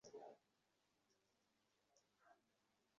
তখনকার দিনে এসব যাত্রা অত্যধিক ব্যয়বহুল ছিল।